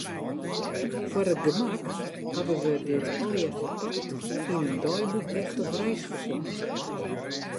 Foar it gemak hawwe wy dit allegearre ferpakt yn in deiboekeftich reisferslach.